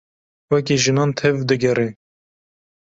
Wekî jinan tev digere.